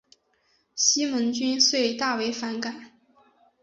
西门君遂大为反感。